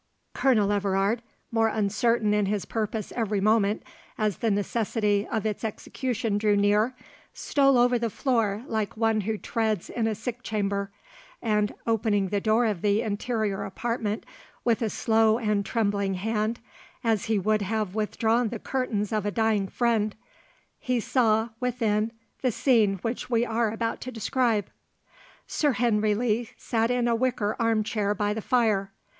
Colonel Everard, more uncertain in his purpose every moment as the necessity of its execution drew near, stole over the floor like one who treads in a sick chamber, and opening the door of the interior apartment with a slow and trembling hand, as he would have withdrawn the curtains of a dying friend, he saw, within, the scene which we are about to describe. Sir Henry Lee sat in a wicker arm chair by the fire.